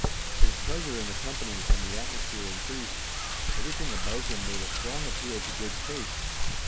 His pleasure in the company and the atmosphere increased. Everything about him made a strong appeal to good taste.